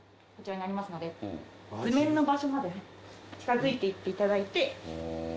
こちらにありますので図面の場所まで近づいていっていただいて。